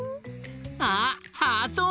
あっハート！